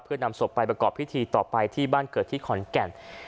เพื่อนำศพไปประกอบพิธีต่อไปที่บ้านเกิดที่ขอนแก่น